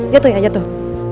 jatuh ya jatuh